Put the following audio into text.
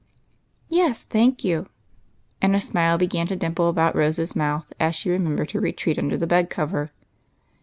"Yes, thank you." And a smile began to dimple about Rose's mouth as she remembered her retreat under the bed cover.